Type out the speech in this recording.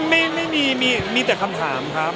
ไม่ไม่ไม่ไม่มีแต่คำถามครับ